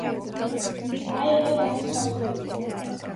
აი, უკვე განსხვავებულია.